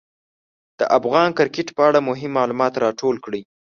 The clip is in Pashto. ده د افغان کرکټ په اړه مهم معلومات راټول کړي.